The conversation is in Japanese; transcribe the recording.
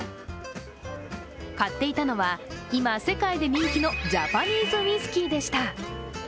買っていたのは、今、世界で人気のジャパニーズウイスキーでした。